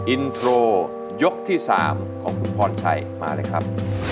อินโทรยกที่๓ของคุณพรชัยมาเลยครับ